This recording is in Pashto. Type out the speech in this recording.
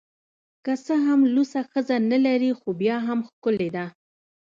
که څه هم لوڅه ښځه نلري خو بیا هم ښکلې ده